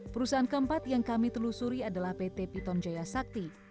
perusahaan keempat yang kami telusuri adalah pt piton jaya sakti